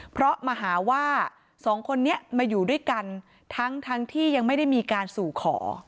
เพราะมาหาว่าสองคนนี้มาอยู่ด้วยกันทั้งที่ยังไม่ได้มีการสู่ขอ